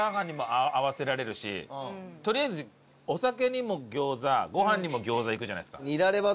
とりあえずお酒にも餃子ご飯にも餃子いくじゃないですか。